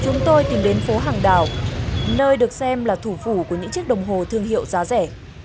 chúng tôi tìm đến phố hàng đảo nơi được xem là thủ phủ của những chiếc đồng hồ thương hiệu giá rẻ